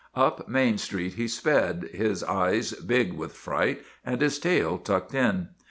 Up Main Street he sped, his eyes big with fright and his tail tucked in.